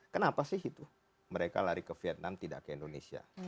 kenapa sih itu mereka lari ke vietnam tidak ke indonesia